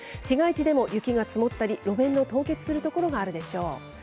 市街地でも雪が積もったり、路面の凍結する所があるでしょう。